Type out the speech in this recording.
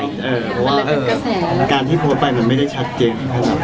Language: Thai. ว่าการที่โพส์ไปมันไม่ได้ชัดเจน